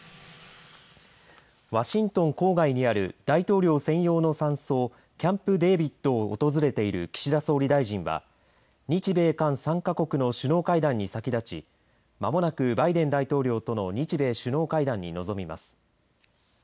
ワシントン郊外にある大統領専用の山荘キャンプ・デービッドを訪れている岸田総理大臣は日米韓３か国の首脳会談に先立ちまもなくバイデン大統領との日米首脳会談に臨みます。